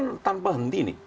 kan tanpa henti nih